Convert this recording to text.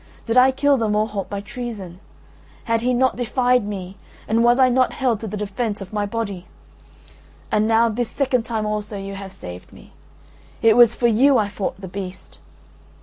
Did I kill the Morholt by treason? Had he not defied me and was I not held to the defence of my body? And now this second time also you have saved me. It was for you I fought the beast.